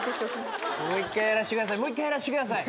もう一回やらしてください。